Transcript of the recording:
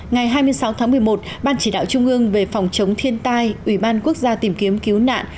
ngày hai mươi sáu tháng một mươi một ban chỉ đạo trung ương về phòng chống thiên tai ủy ban quốc gia tìm kiếm cứu nạn